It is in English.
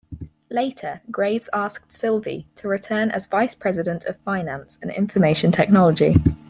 Later, Graves asked Silvey to return as vice president of finance and information technology.